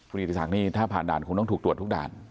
คุณกิติศักดิ์นี่ถ้าผ่านด่านคงต้องถูกตรวจทุกด่าน